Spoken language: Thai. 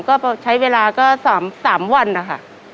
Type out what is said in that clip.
ก็ใช้เวลาก็๓วันนะคะ